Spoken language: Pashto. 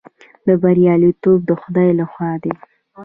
بریالیتوب د خدای لخوا دی